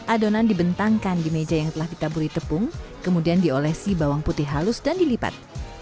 adonan dibentangkan di meja yang telah ditaburi tepung kemudian diolesi bawang putih halus dan dilipat